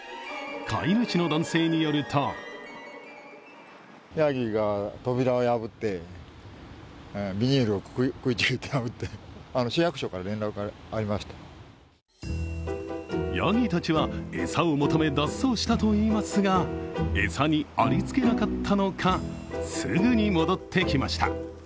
飼い主の男性によるとやぎたちは餌を求め脱走したといいますが餌にありつけなかったのかすぐに戻ってきました。